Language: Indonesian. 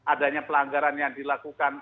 adanya pelanggaran yang dilakukan